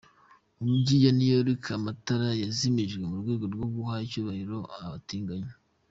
Mu mujyi wa New York, amatara yazimijwe mu rwego rwo guha icyubahiro abatinganyi.